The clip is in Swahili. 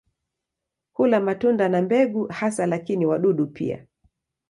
Hula matunda na mbegu hasa lakini wadudu pia.